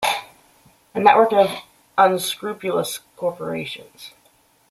A network of unscrupulous corporations.